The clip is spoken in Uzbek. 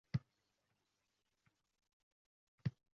Halok bo‘lgan artist mimika ansambli a’zosi bo‘lgan